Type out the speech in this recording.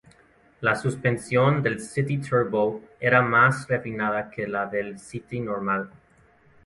La suspensión del City Turbo era más refinada que la del City normal.